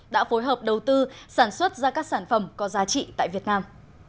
đã phối hợp đầu tư sản xuất ra các sản phẩm có giá trị tại việt nam